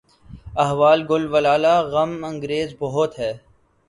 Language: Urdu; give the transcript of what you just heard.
احوال گل و لالہ غم انگیز بہت ہے